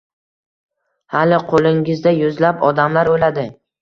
Hali qo`lingizda yuzlab odamlar o`ladi